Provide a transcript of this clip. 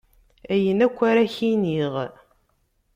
Ayen akk, ar ad ak-iniɣ.